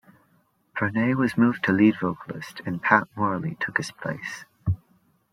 Pirner was moved to lead vocalist, and Pat Morley took his place.